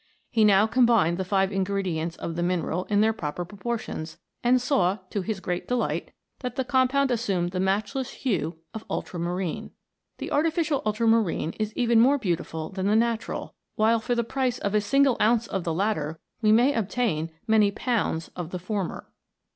He now combined the five ingredients of the mineral in their proper pro portions, and saw, to his great delight, that the com pound assumed the matchless hue of ultramarine. The artificial ultramarine is even more beautiful than the natural, while for the price of a single ounce of the latter we may obtain many pounds of the former.